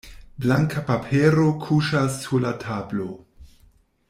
Blanka papero kuŝas sur la tablo.